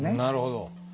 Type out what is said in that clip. なるほど。